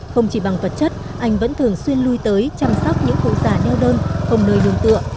không chỉ bằng vật chất anh vẫn thường xuyên lui tới chăm sóc những khu giả nêu đơn không nơi đường tựa